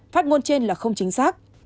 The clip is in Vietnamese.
phát ngôn trên là không chính xác